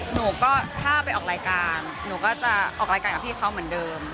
หนูก็ถ้าไปออกรายการหนูก็จะออกรายการกับพี่เขาเหมือนเดิม